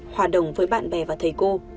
hòa đồng với bạn bè và thầy cô